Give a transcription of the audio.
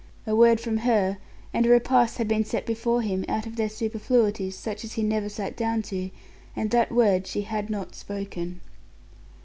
A word from her, and a repast had been set before him out of their superfluities such as he never sat down to, and that word she had not spoken.